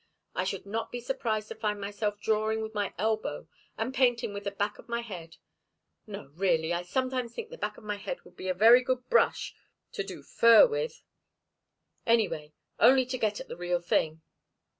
I should not be surprised to find myself drawing with my elbow and painting with the back of my head! No, really I sometimes think the back of my head would be a very good brush to do fur with. Any way only to get at the real thing."